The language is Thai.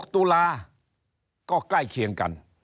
ตุลาก็ใกล้เคียงกัน